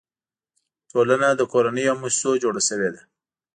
ټولنه له کورنیو او مؤسسو جوړه شوې ده.